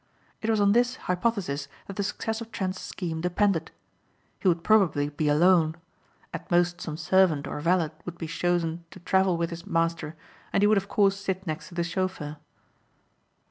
It was on this hypothesis that the success of Trent's scheme depended. He would probably be alone. At most some servant or valet would be chosen to travel with his master and he would of course sit next to the chauffeur.